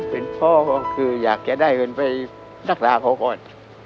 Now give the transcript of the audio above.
เป็นพ่อก็คืออยากจะได้เงินไปรักษาเขาก่อน